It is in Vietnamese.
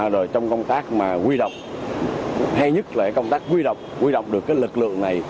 rồi trong công tác mà quy đọc hay nhất là công tác quy đọc quy đọc được cái lực lượng này